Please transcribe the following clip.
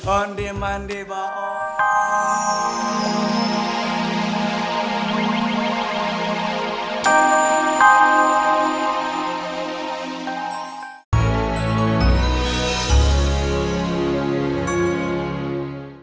ondi mandi ba on